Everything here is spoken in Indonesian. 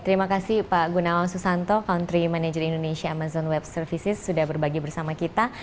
terima kasih pak gunawan susanto country manager indonesia amazon web services sudah berbagi bersama kita